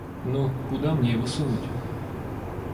Ну, куда мне его сунуть?